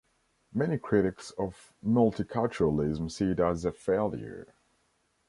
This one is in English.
Many critics of multiculturalism see it as a failure.